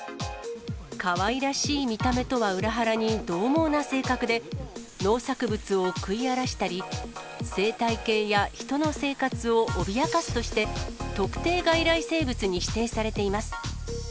かわいらしい見た目とは裏腹にどう猛な性格で、農作物を食い荒らしたり、生態系や人の生活を脅かすとして、特定外来生物に指定されています。